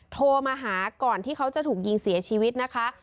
โทรมาหาก่อนที่เขาจะถูกยิงเสียชีวิตนะคะ